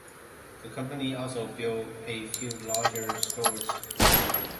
The company also built a few larger stores.